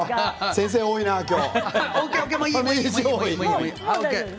先生、多いな今日。